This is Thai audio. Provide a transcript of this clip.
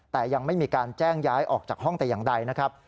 แต่ยังไม่มีการแจ้งย้ายออกจากห้องแต่อย่างใดนะครับ